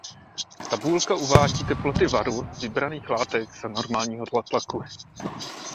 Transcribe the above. Tabulka uvádí teploty varu vybraných látek za normálního tlaku.